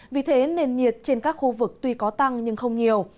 vì thế nền nhiệt trên các khu vực tuy có tăng nhưng không nhiều